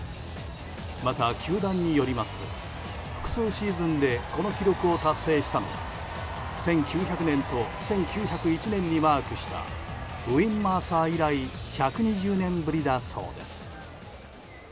また、球団によりますと複数シーズンでこの記録を達成したのは１９００年と１９０１年にマークしたウィン・マーサー以来１２０年ぶりだそうです。